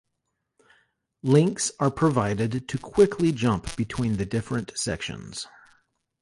Links are provided to quickly jump between the different sections.